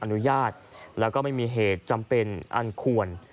อนุญาตแล้วก็ไม่มีเหตุจำเป็นอันควร